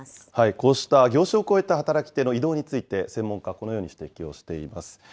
こうした業種を超えた働き手の移動について、専門家、このように指摘をしています。